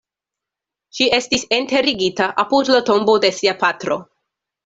Ŝi estis enterigita apud la tombo de sia patro.